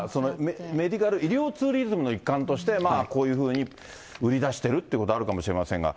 メディカル、医療ツーリズムの一環として、こういうふうに売り出してるってこと、あるかもしれませんが。